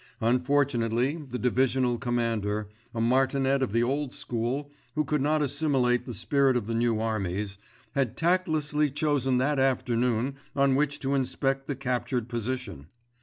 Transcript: Unfortunately the Divisional Commander, a martinet of the old school who could not assimilate the spirit of the new armies, had tactlessly chosen that afternoon on which to inspect the captured position.